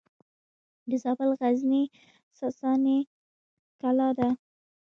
د زابل غزنیې ساساني کلا ده